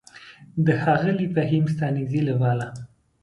د ښاغلي فهيم ستانکزي له واله: